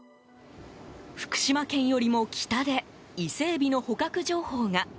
福島県よりも北でイセエビの捕獲情報が。